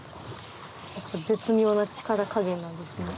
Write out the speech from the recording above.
やっぱり絶妙な力加減なんですね。